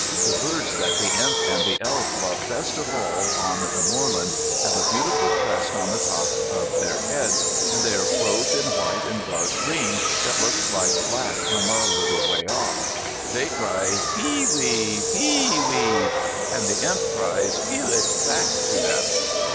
The birds that the Imp and the Elf love best of all on the moorland have a beautiful crest on the tops of their heads, and they are clothed in white and dark green that looks like black from a little way off. They cry pe e e e wi, pe e e e e wi, and the Imp cries "peewit" back to them.